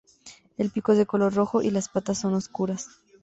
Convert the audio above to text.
El pico es de color rojo y las patas son oscuras.